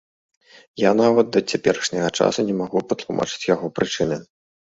Я нават да цяперашняга часу не магу патлумачыць яго прычыны.